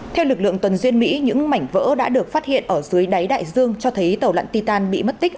theo lực lượng tuần duyên mỹ những mảnh vỡ đã được phát hiện ở dưới đáy đại dương cho thấy tàu lặn titan bị mất tích